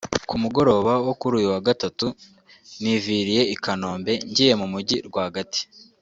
Ku mugoroba wo kuri uyu wa Gatatu niviriye i Kanombe ngiye mu mujyi rwagati